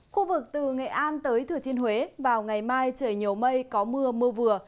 khu vực từ nghệ an tới thừa thiên huế vào ngày mai trời nhiều mây có mưa mưa vừa